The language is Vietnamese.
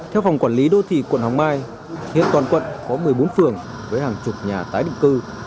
theo phòng quản lý đô thị quận hoàng mai hiện toàn quận có một mươi bốn phường với hàng chục nhà tái định cư